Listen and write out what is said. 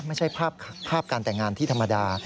ไม่ใช่ภาพการแต่งงานที่ธรรมดา